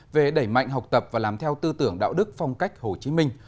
về đẩy mạnh học tập và làm theo tư tưởng đạo đức phong cách hồ chí minh